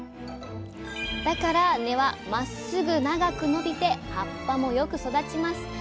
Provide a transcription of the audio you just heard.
だから根はまっすぐ長く伸びて葉っぱもよく育ちます。